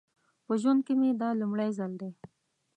په ژوند کې مې دا لومړی ځل دی.